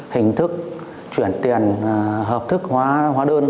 hình thức chuyển tiền hợp thức hóa đơn